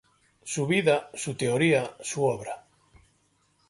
Su vida, su teoría, su obra".